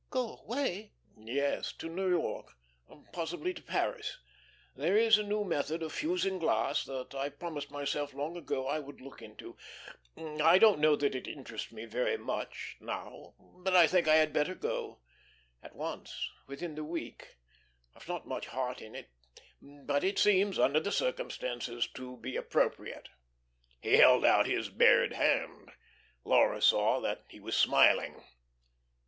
"Go away?" "Yes, to New York. Possibly to Paris. There is a new method of fusing glass that I've promised myself long ago I would look into. I don't know that it interests me much now. But I think I had better go. At once, within the week. I've not much heart in it; but it seems under the circumstances to be appropriate." He held out his bared hand. Laura saw that he was smiling.